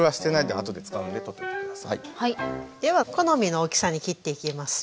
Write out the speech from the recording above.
では好みの大きさに切っていきます。